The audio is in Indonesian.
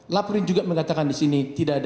laprim juga mengatakan disini